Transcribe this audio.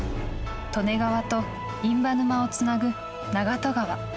利根川と印旛沼をつなぐ長門川。